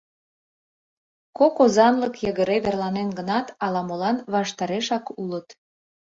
Кок озанлык йыгыре верланен гынат, ала-молан ваштарешак улыт.